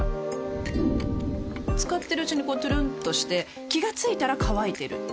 使ってるうちにこうトゥルンとして気が付いたら乾いてる